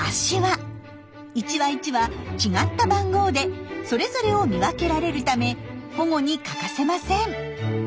１羽１羽違った番号でそれぞれを見分けられるため保護に欠かせません。